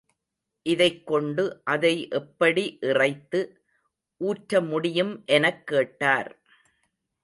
இதைக் கொண்டு அதை எப்படி இறைத்து, ஊற்ற முடியும் எனக் கேட்டார்.